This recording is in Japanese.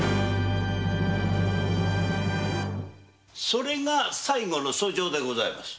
それが最後の訴状でございます。